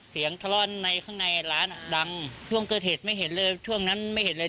ทะเลาะในข้างในร้านอ่ะดังช่วงเกิดเหตุไม่เห็นเลยช่วงนั้นไม่เห็นเลย